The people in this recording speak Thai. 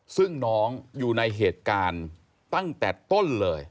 ซึ่งน้องอยู่ในเหตุการณ์ตั้งแต่ต้นเลย